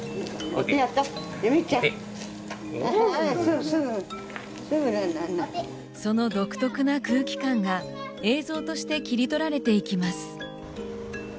お・ああすぐその独特な空気感が映像として切り取られていきます